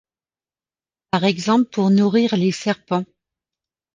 Par exemple pour nourrir les serpents.